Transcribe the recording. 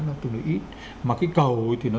nó tương đối ít mà cái cầu thì nó